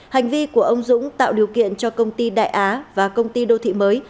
hành vi của ông dũng tạo điều kiện cho công ty đại á và công ty đô thị mới